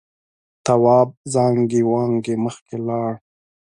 تواب زانگې وانگې مخکې لاړ.